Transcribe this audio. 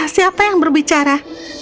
siapa yang berbicara